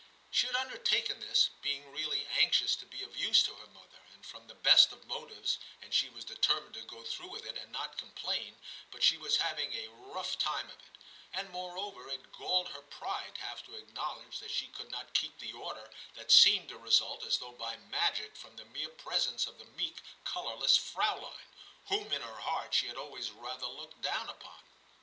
She had under taken this, being really anxious to be of use to her mother, and from the best of motives, and she was determined to go through with it and not complain, but she was having a rough time of it ; and, moreover, it galled her pride to have to acknowledge that she could not keep the order that seemed to result as though by magic from the mere presence of the meek, colourless Frauliein, whom in her heart she had always rather looked down upon.